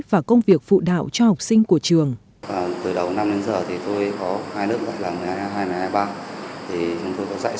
và công việc phụ đạo cho học sinh của trường